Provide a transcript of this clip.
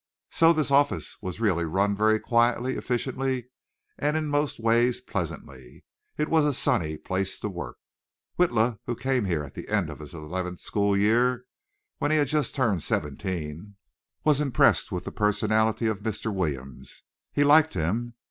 So this office was really run very quietly, efficiently, and in most ways pleasantly. It was a sunny place to work. Witla, who came here at the end of his eleventh school year and when he had just turned seventeen, was impressed with the personality of Mr. Williams. He liked him.